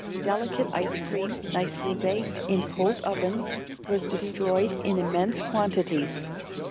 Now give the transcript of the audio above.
Delicate ice cream, nicely "baked in cowld ovens," was destroyed in immense quantities.